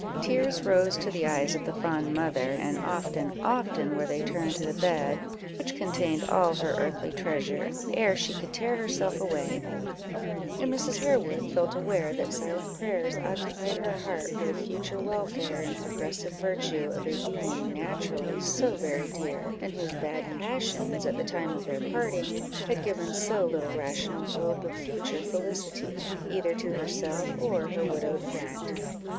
Tears rose to the eyes of the fond mother, and often, often were they turned to the bed which contained all her earthly treasure, ere she could tear herself away; and Mrs. Harewood felt aware that silent prayers occupied her heart for the future welfare and progressive virtue of a being naturally so very dear, and whose bad passions, at the time of their parting, had given so little rational hope of future felicity, either to herself or her widowed parent.